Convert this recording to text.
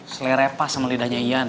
sele repas sama lidahnya ian